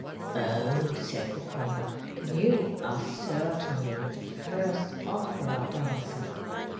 "Oh!" said the collar. "You are certainly the first opera dancer.